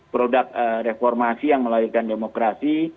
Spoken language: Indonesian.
produk reformasi yang melahirkan demokrasi